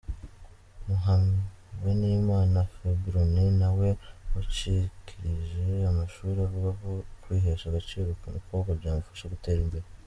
Muhawenimana Febronie nawe wacikirije amashuri avuga ko kwihesha agaciro ku mukobwa byamufasha gutera imbere.